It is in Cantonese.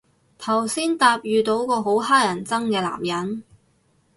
頭先搭遇到個好乞人憎嘅男人